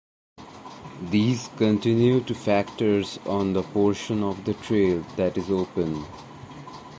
These continue to factors on the portion of the trail that is open.